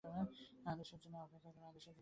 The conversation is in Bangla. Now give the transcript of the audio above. আদেশের জন্য অপেক্ষা কর!